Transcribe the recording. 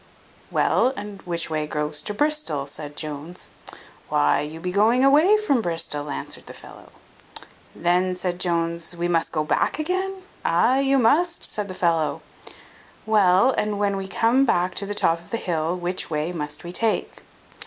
"Well, and which way goes to Bristol?" said Jones. "Why, you be going away from Bristol," answered the fellow. "Then," said Jones, "we must go back again?" "Ay, you must," said the fellow. "Well, and when we come back to the top of the hill, which way must we take?"